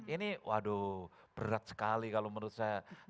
ini waduh berat sekali kalau menurut saya